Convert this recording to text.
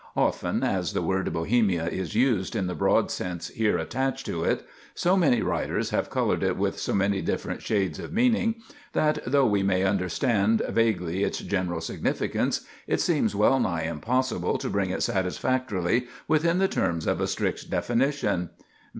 Often as the word Bohemia is used, in the broad sense here attached to it, so many writers have colored it with so many different shades of meaning, that, though we may understand vaguely its general significance, it seems well nigh impossible to bring it satisfactorily within the terms of a strict definition.